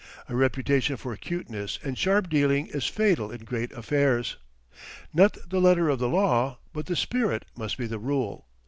A reputation for "cuteness" and sharp dealing is fatal in great affairs. Not the letter of the law, but the spirit, must be the rule.